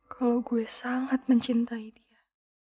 kalau gue sangat mencintai dia